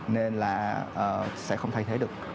nên là sẽ không thay thế được